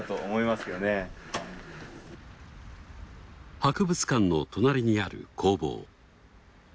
博物館の隣にある工房。